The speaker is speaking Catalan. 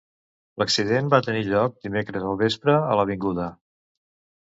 L'accident va tenir lloc dimecres al vespre, a l'Avda.